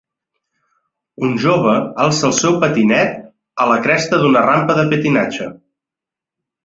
Un jove alça el seu patinet a la cresta d'una rampa de patinatge.